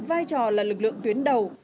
vai trò là lực lượng tuyến đầu